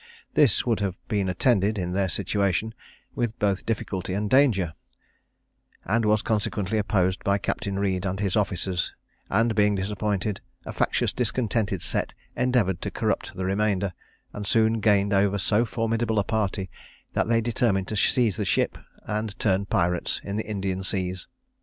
This would have been attended, in their situation, with both difficulty and danger, and was consequently opposed by Captain Reed and his officers; and being disappointed, a factious discontented set endeavoured to corrupt the remainder, and soon gained over so formidable a party, that they determined to seize the ship, and turn pirates in the Indian seas.